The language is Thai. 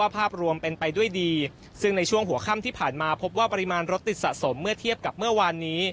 ผ่านมาพบว่าปริมาณรถติดสะสมเมื่อเทียบกับเมื่อวานนี้